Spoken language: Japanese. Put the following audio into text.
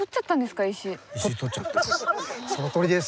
そのとおりです。